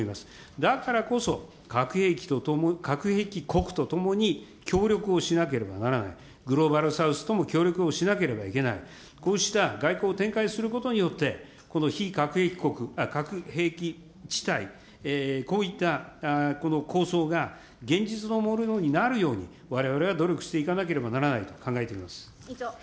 だからこそ、核兵器と、核兵器国と共に協力をしなければならない、グローバル・サウスとも協力をしなければいけない、こうした外交を展開することによって、この非核兵器国、核兵器地帯、こういったこの構想が現実のもののようになるように、われわれは努力していかなければならないと考えています。